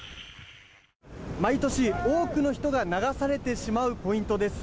毎年多くの人が流されてしまうポイントです。